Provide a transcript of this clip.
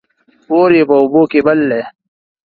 اور يې په اوبو کې بل دى